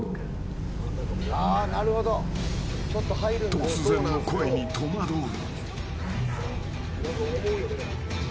突然の声に戸惑う。